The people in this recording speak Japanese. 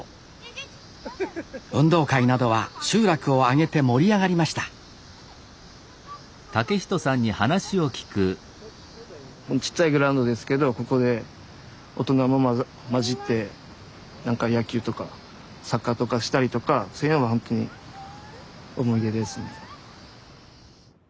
運動会などは集落をあげて盛り上がりましたちっちゃいグラウンドですけどここで大人も交じってなんか野球とかサッカーとかしたりとかそういうのがほんとに思い出ですね。